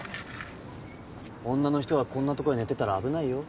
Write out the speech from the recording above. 女の人がこんな所に寝てたら危ないよ